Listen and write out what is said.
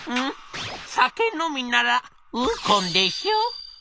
酒飲みならウコンでしょ？」。